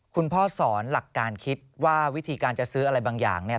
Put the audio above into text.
คุณพ่อสอนหลักการคิดว่าวิธีการจะซื้ออะไรบางอย่างเนี่ย